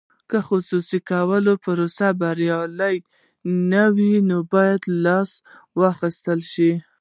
که د خصوصي کولو پروسه بریالۍ نه وي باید لاس واخیستل شي.